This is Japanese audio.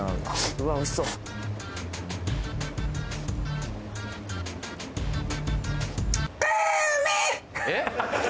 うわおいしそうえっ？